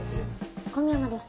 古宮山です。